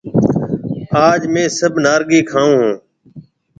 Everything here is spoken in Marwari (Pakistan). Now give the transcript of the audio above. آج ميه سڀ نارِينگِي کاون هون